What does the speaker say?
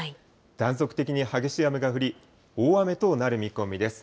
断続的に激しい雨が降り、大雨となる見込みです。